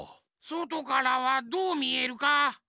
そとからはどうみえるか？